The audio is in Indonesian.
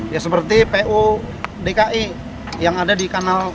ya seperti pu dki yang ada di kanal